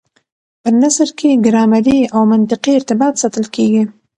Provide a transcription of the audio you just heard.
په نثر کي ګرامري او منطقي ارتباط ساتل کېږي.